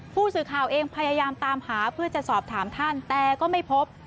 ผู้สื่อข่าวเองพยายามตามหาเพื่อจะสอบถามท่านแต่ก็ไม่พบ